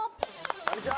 こんにちは！